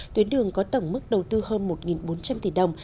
tuyến đường có tổng mức đầu tư hơn một bốn trăm linh tỷ đồng